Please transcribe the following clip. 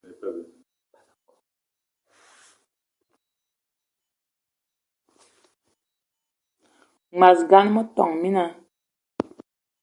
Mas gan, metόn mina